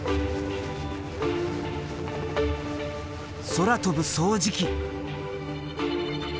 空飛ぶ掃除機！